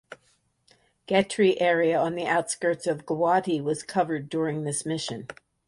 Khetri area on the outskirts of Guwahati was covered during this mission.